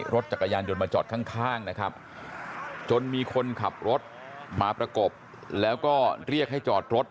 รถจักรยานยนต์มาจอดข้างนะครับจนมีคนขับรถมาประกบแล้วก็เรียกให้จอดรถ